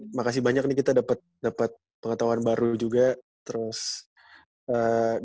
oke jhuul makasih banyak nih kita dapat dapat dapat nantin gue sendiri juga nih oke jisunya kamu sudah selesai kan